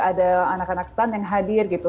ada anak anak stun yang hadir gitu